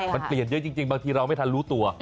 มันเปลี่ยนเยอะจริงบางทีเราไม่ทันรู้ตัว